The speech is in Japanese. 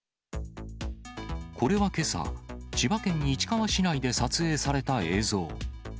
これはけさ、千葉県市川市内で撮影された映像。